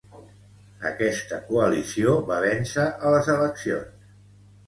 Aquesta coalició va vèncer a les eleccions.